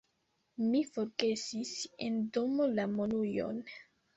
Mi forgesis en domo la monujon.